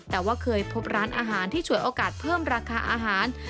แต่ว่าเคยพบร้านอาหารที่ฉวยโอกาสเพิ่มราคาอาหาร